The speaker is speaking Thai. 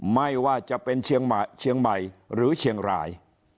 ไม่ว่าจะเป็นเชียงใหม่หรือเชียงราย